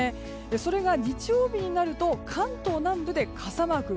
それが日曜日になると関東南部で傘マーク。